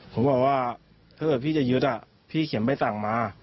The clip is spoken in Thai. ผมบอกว่าถ้าเกิดพี่จะยึดพี่เขียนใบสั่งมา